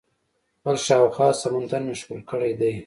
خپل شاوخوا سمندر مې ښکل کړی دئ.